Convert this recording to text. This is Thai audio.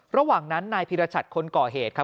ระหว่างนั้นนายพิรชัดคนก่อเหตุครับ